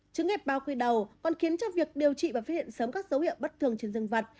trứng hẹp bao quy đầu còn khiến cho việc điều trị và phát hiện sớm các dấu hiệu bất thường trên dương vật